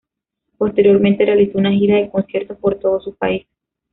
Posteriormente realizó una gira de conciertos por todo su país.